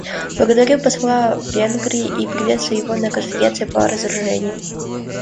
Благодарю посла Венгрии и приветствую его на Конференции по разоружению.